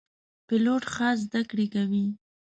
پیلوټ خاص زده کړې کوي.